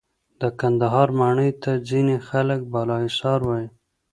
د کندهار ماڼۍ ته ځینې خلک بالاحصار وایې.